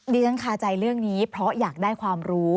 ดิฉันคาใจเรื่องนี้เพราะอยากได้ความรู้